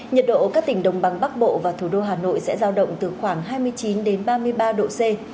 nhiệt độ ở các tỉnh đồng bằng bắc bộ và thủ đô hà nội sẽ giao động từ khoảng hai mươi chín ba mươi ba độ c